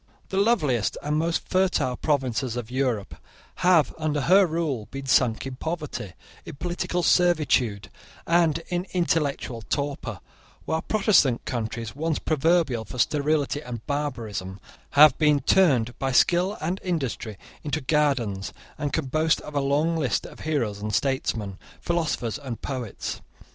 The loveliest and most fertile provinces of Europe have, under her rule, been sunk in poverty, in political servitude, and in intellectual torpor, while Protestant countries, once proverbial for sterility and barbarism, have been turned by skill and industry into gardens, and can boast of a long list of heroes and statesmen, philosophers and poets.